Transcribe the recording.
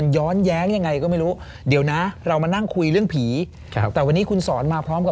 จะยิ้ม